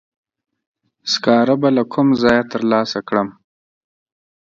سکاره به له کومه ځایه تر لاسه کړم؟